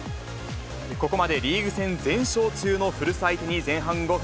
ここまでリーグ戦全勝中の古巣相手に、前半５分、